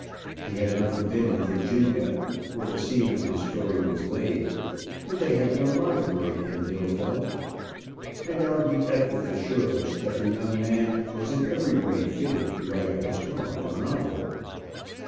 He had never been in Virginia, where the scene of his story was laid, and they had no library in Dillville; and our detective assured us that the young man was in every way fitted to write a historical novel.